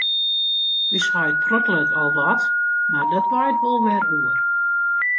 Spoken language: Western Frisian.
Us heit prottelet al wat, mar dat waait wol wer oer.